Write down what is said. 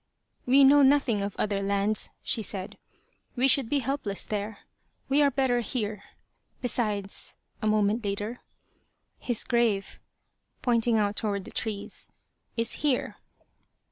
"We know nothing of other lands," she said. "We should be helpless there. We are better here." "Besides," a moment later, "his grave," pointing out toward the trees, "is here."